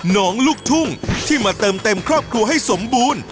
ลูกทุ่งที่มาเติมเต็มครอบครัวให้สมบูรณ์